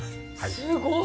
すごい。